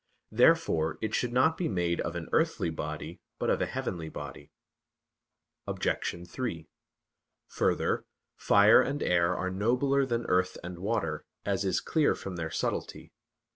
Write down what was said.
Therefore it should not be made of an earthly body, but of a heavenly body. Obj. 3: Further, fire and air are nobler than earth and water, as is clear from their subtlety.